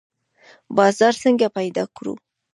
بازار څنګه پیدا کړو؟